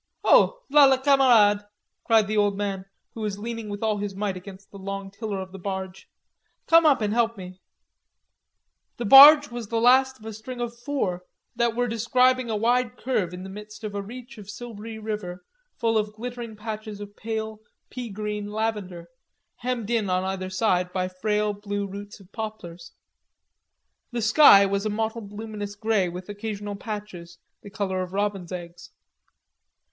"Oh, v'la le camarade," cried the old man who was leaning with all his might against the long tiller of the barge. "Come and help me." The barge was the last of a string of four that were describing a wide curve in the midst of a reach of silvery river full of glittering patches of pale, pea green lavender, hemmed in on either side by frail blue roots of poplars. The sky was a mottled luminous grey with occasional patches, the color of robins' eggs.